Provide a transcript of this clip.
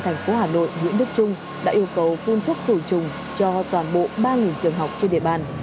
trước đó chủ tịch ubnd tp hà nội nguyễn đức trung đã yêu cầu phun thuốc khử trùng cho toàn bộ ba trường học trên địa bàn